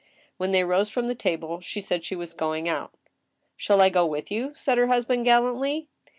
When they rose from the table, she said she was going out " Shall I go with you ?" said her husband, gallantly.